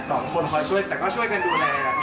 สองคนคอยช่วยแต่ก็ช่วยกันดูแล